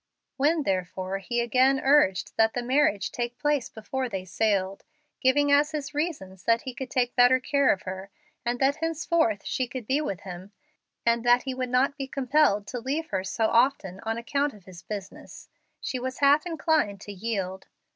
When, therefore, he again urged that the marriage take place before they sailed, giving as his reasons that he could take better care of her, and that henceforth she could be with him, and that he would not be compelled to leave her so often on account of his business, she was half inclined to yield.